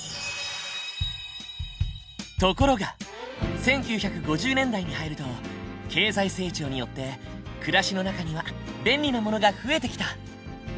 ところが１９５０年代に入ると経済成長によって暮らしの中には便利なものが増えてきた。